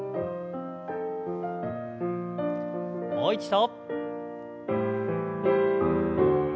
もう一度。